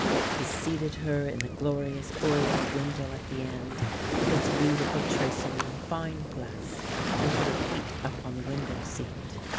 He seated her in the glorious oriel window at the end, with its beautiful tracery and fine glass, and put her feet up on the window seat.